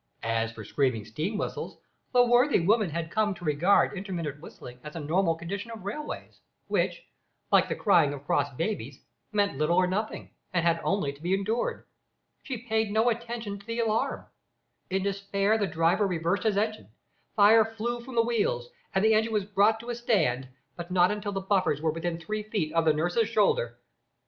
As for screaming steam whistles, the worthy woman had come to regard intermittent whistling as a normal condition of railways, which, like the crying of cross babies, meant little or nothing, and had only to be endured. She paid no attention to the alarm. In despair the driver reversed his engine; fire flew from the wheels, and the engine was brought to a stand, but not until the buffers were within three feet of the nurse's shoulder.